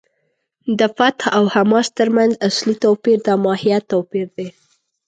د فتح او حماس تر منځ اصلي توپیر د ماهیت توپیر دی.